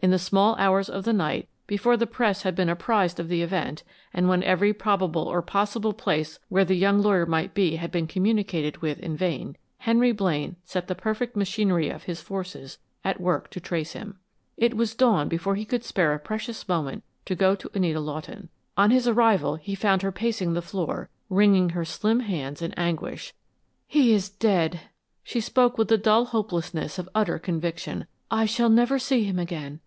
In the small hours of the night, before the press had been apprised of the event and when every probable or possible place where the young lawyer might be had been communicated with in vain, Henry Blaine set the perfect machinery of his forces at work to trace him. It was dawn before he could spare a precious moment to go to Anita Lawton. On his arrival he found her pacing the floor, wringing her slim hands in anguish. "He is dead." She spoke with the dull hopelessness of utter conviction. "I shall never see him again.